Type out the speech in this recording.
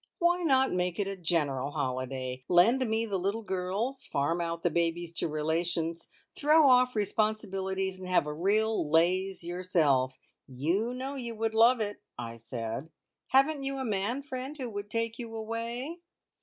"Why not make it a general holiday? Lend me the little girls, farm out the babies to relations, throw off responsibilities, and have a real laze yourself. You know you would love it!" I said. "Haven't you a man friend who would take you away?"